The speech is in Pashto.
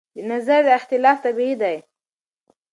د نظر اختلاف طبیعي دی.